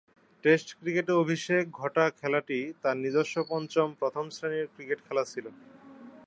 Test ক্রিকেটে অভিষেক ঘটা খেলাটি তার নিজস্ব পঞ্চম প্রথম-শ্রেণীর ক্রিকেট খেলা ছিল।